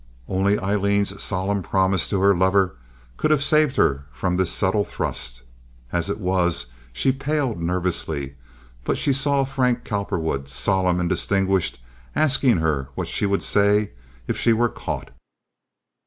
Only Aileen's solemn promise to her lover could have saved her from this subtle thrust. As it was, she paled nervously; but she saw Frank Cowperwood, solemn and distinguished, asking her what she would say if she were caught.